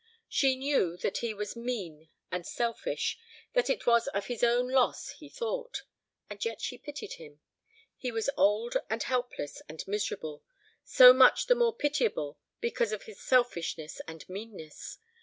She knew that he was mean and selfish, that it was of his own loss he thought; and yet she pitied him. He was old and helpless and miserable; so much the more pitiable because of his selfishness and meanness.